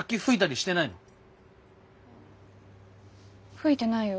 吹いてないよ。